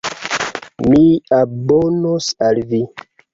Mi abonos al vi